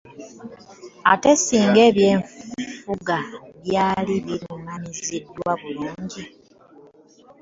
Ate singa eby’enfuga byali biruŋŋamiziddwa bulungi.